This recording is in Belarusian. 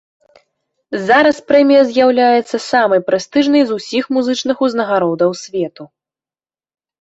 Зараз прэмія з'яўляецца самай прэстыжнай з усіх музычных узнагародаў свету.